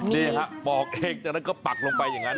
นี่ฮะปอกเองจากนั้นก็ปักลงไปอย่างนั้น